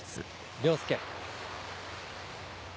凌介。